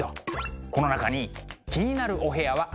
この中に気になるお部屋はありますか？